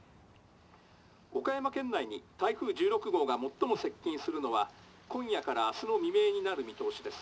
岡山県内に台風１６号が最も接近するのは今夜から明日の未明になる見通しです」。